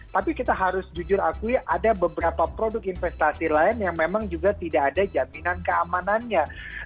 tapi kita harus jujur akui ada beberapa produk investasi lain yang memang juga tidak ada jaminan keamanannya